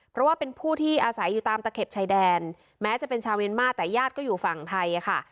เพราะว่าเป็นผู้ที่อาศัยอยู่ตามตะเข็บชายแดนแม้จะเป็นชาวเมียนมาแต่ญาติก็อยู่ฝั่งไทยค่ะ